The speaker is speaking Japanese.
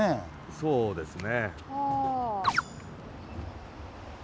そうですね。